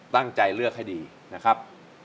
ตั้งใจเลือกให้ดีนะครับ